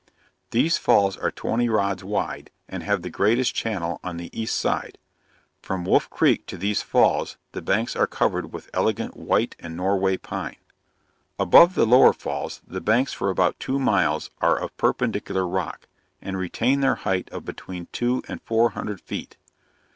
These falls are twenty rods wide, and have the greatest channel on the east side. From Wolf creek to these falls the banks are covered with elegant white and Norway pine. Above the lower falls the banks for about two miles are of perpendicular rock, and retain their height of between two and four hundred feet.